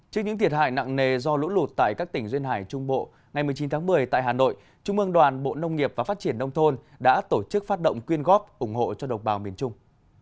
trước những thiệt hại nặng nề do lũ lụt tại các tỉnh duyên hải trung bộ ngày một mươi chín tháng một mươi tại hà nội trung ương đoàn bộ nông nghiệp và phát triển nông thôn đã tổ chức phát động quyên góp ủng hộ cho đồng bào miền trung